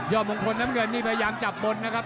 มงคลน้ำเงินนี่พยายามจับบนนะครับ